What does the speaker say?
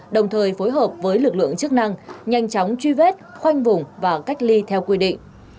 đồng thời phối hợp với lực lượng chức năng nhanh chóng truy vết khoanh vùng và cách ly theo quy định